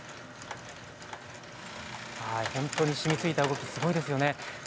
本当に染みついた動きすごいですよね。